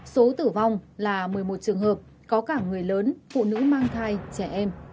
số tử vong là một mươi một trường hợp có cả người lớn phụ nữ mang thai trẻ em